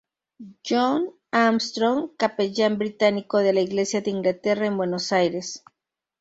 John Armstrong, Capellán Británico de la Iglesia de Inglaterra en Buenos Aires.